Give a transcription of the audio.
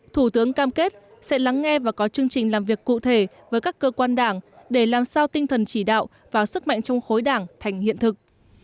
thủ tướng cam kết sẽ lắng nghe và có chương trình làm việc cụ thể với các cơ quan đảng để làm sao tinh thần chỉ đạo và sức mạnh trong khối đảng thành hiện thực